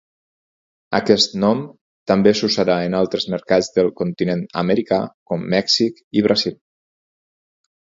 Aquest nom també s'usarà en altres mercats del continent americà, com Mèxic i Brasil.